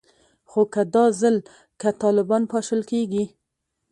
خو که دا ځل که طالبان پاشل کیږي